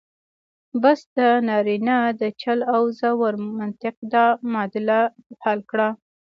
بس د نارینه د چل او زور منطق دا معادله حل کړه.